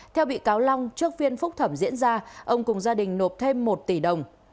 theo bị cáo long trước phiên phúc thẩm diễn ra ông cùng gia đình nộp thêm một tỷ đồng